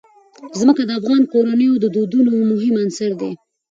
ځمکه د افغان کورنیو د دودونو مهم عنصر دی.